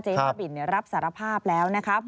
บ้าบินรับสารภาพแล้วนะครับ